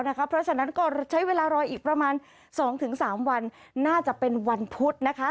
เพราะฉะนั้นก็ใช้เวลารออีกประมาณ๒๓วันน่าจะเป็นวันพุธนะคะ